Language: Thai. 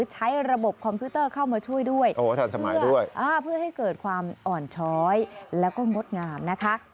ใช้ระบบคอมพิวเตอร์เข้ามาช่วยด้วยโอ้ทันสมัยด้วยเพื่อให้เกิดความอ่อนช้อยแล้วก็งดงามนะคะ